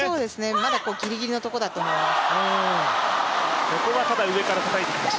まだぎりぎりのところだと思います。